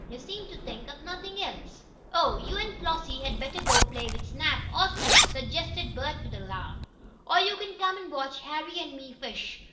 He seemed to think of nothing else. "Oh, you and Flossie had better go play with Snap, or Snoop," suggested Bert with a laugh. "Or you can come and watch Harry and me fish.